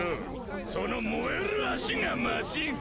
その燃える足がマシンか？